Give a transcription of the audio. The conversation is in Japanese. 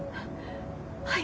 はい！